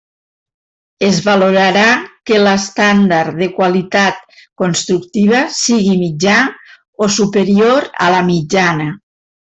Es valorarà que l'estàndard de qualitat constructiva sigui mitjà o superior a la mitjana.